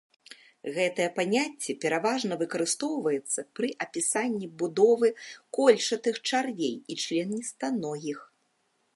Гэтае паняцце пераважна выкарыстоўваецца пры апісанні будовы кольчатых чарвей і членістаногіх.